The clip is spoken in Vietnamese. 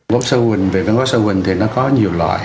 góm xa huỳnh về văn hóa xa huỳnh thì nó có nhiều loại